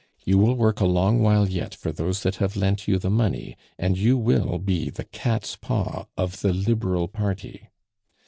You will work a long while yet for those that have lent you the money, and you will be the cat's paw of the Liberal party.